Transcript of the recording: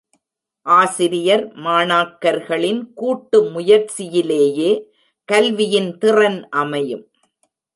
ஆசிரியர் மாணாக்கர்களின் கூட்டு முயற்சியிலேயே கல்வியின் திறன் அமையும்.